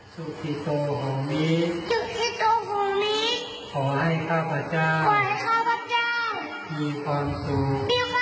ชุดภิโตของมีทศ์ขอให้กระปาจางมีความสุข